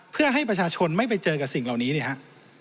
เพื่อให้ประชาชนไม่ไปเจอกับสิ่งเหล่านี้เนี่ยครับ